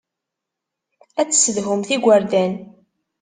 Ad tessedhumt igerdan.